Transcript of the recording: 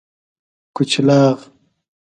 کچلاغ